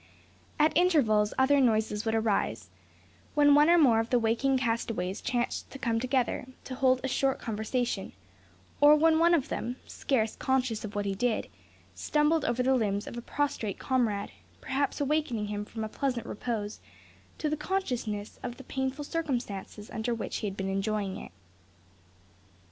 At intervals other noises would arise, when one or more of the waking castaways chanced to come together, to hold a short conversation; or when one of them, scarce conscious of what he did, stumbled over the limbs of a prostrate comrade, perhaps awaking him from a pleasant repose to the consciousness of the painful circumstances under which he had been enjoying it.